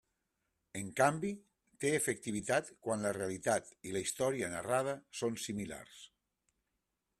En canvi, té efectivitat quan la realitat i la història narrada són similars.